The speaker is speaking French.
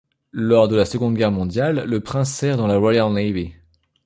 Lors de la Seconde Guerre mondiale, le prince sert dans la Royal Navy.